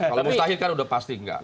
kalau mustahil kan udah pasti enggak